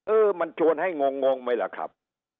เออมันชวนให้งงไหมล่ะครับ